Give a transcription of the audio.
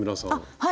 はい。